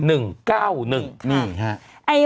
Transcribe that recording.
อืม